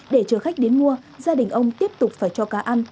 để chờ khách đến mua gia đình ông tiếp tục phải cho cá ăn